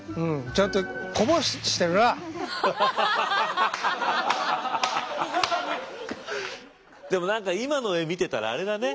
ちょっとでも何か今の画見てたらあれだね